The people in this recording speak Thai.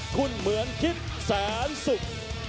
คุณเหมือนคิดแสนสุข